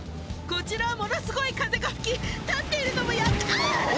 こちらはものすごい風が吹き立っているのもやっとああ！